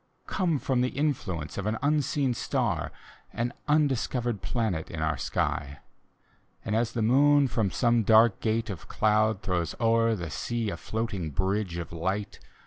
Come from the influence of an unseen stafi An undiscovered planet in our sky. And as the moon from some dark gate of cloud Throws o'er the sea a floating bridge of light.